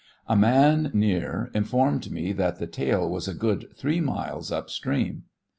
A man near informed me that the tail was a good three miles up stream.